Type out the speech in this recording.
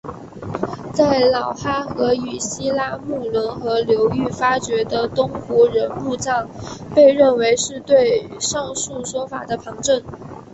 在老哈河与西拉木伦河流域发掘的东胡人墓葬被认为是对上述说法的旁证。